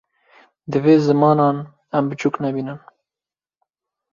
Divê zimanan em piçûk nebînin